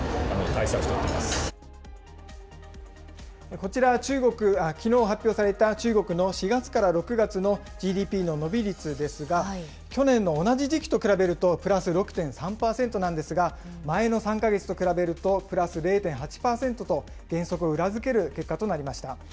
こちらはきのう発表された中国の４月から６月のＧＤＰの伸び率ですが、去年の同じ時期と比べるとプラス６．３％なんですが、前の３か月と比べると＋０．８％と減速を裏付ける結果となりました。